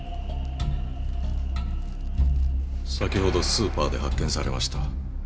先ほどスーパーで発見されました。